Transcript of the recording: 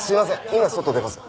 今外出ます。